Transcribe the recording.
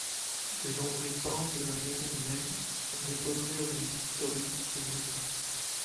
Des lambris peints de la maison Mieg sont déposés au musée historique de Mulhouse.